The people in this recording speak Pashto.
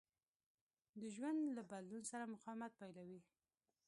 د ژوند له بدلون سره مقاومت پيلوي.